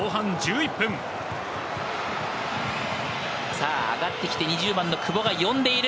さあ、上がってきて、２０番の久保が呼んでいる。